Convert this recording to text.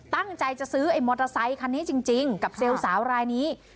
ตั้งใจจะซื้อไอ้มอเตอร์ไซคันนี้จริงกับเซลล์สาวรายนี้